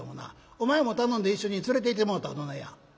お前も頼んで一緒に連れていってもうたらどないや」。